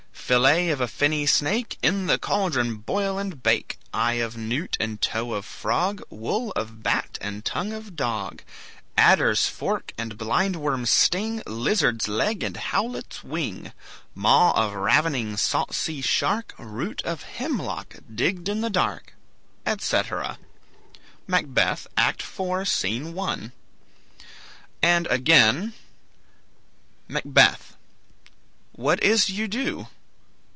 Fillet of a fenny snake In the caldron boil and bake; Eye of newt and toe of frog, Wool of bat and tongue of dog, Adder's fork and blind worm's sting, Lizard's leg and howlet's wing: Maw of ravening salt sea shark, Root of hemlock digged in the dark," etc Macbeth, Act IV, Scene 1 And again: Macbeth. What is't you do?